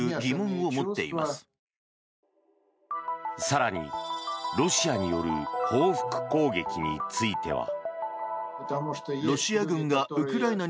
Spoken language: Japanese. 更に、ロシアによる報復攻撃については。